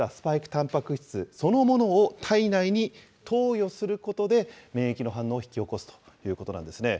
たんぱく質そのものを体内に投与することで、免疫の反応を引き起こすということなんですね。